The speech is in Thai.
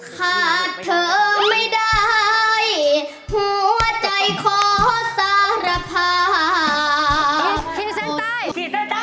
ขาดเธอไม่ได้หัวใจขอสารภาพ